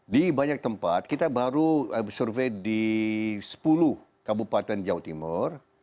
di banyak tempat kita baru survei di sepuluh kabupaten jawa timur